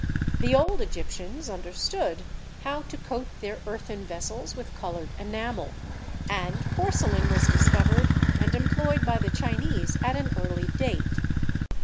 The old Egyptians understood how to coat their earthen vessels with colored enamel, and porcelain was discovered and employed by the Chinese at an early date.